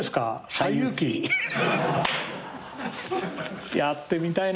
『西遊記』やってみたいな。